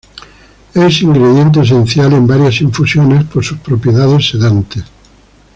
Es ingrediente esencial en varias infusiones por sus propiedades sedantes.